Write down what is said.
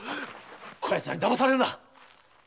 こやつらに騙されるな！